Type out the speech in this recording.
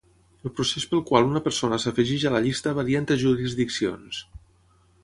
El procés pel qual una persona s'afegeix a la llista varia entre jurisdiccions.